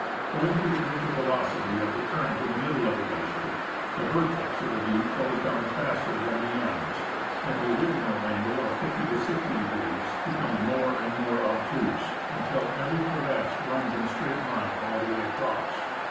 Owing to the greater velocity of the current in the middle of the glacier, the vertex SEWARD GLACIER (CENTRAL I'ORTION). of the V flows down faster than the ends ; and the original angle of 50° to 60° becomes more and more obtuse, until every crevasse runs in a straight line all the way across.